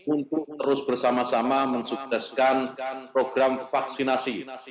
untuk terus bersama sama mensukseskan program vaksinasi